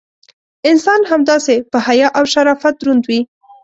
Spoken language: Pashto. انسان همداسې: په حیا او شرافت دروند وي.